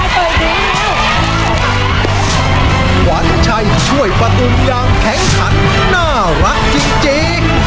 หวานชัยช่วยประตุ๋มยามแข็งขันน่ารักจริง